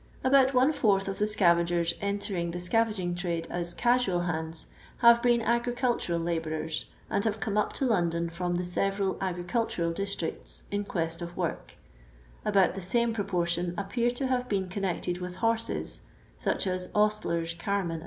About one fourth of the scavagen entering the sca vaging trade as casual hands have been agricul tural labouren, and have come up to London from the several agricultural districts in quest of work ; about the some proportion appear to have been connected with horaes, such as ostlers, carmen, &c.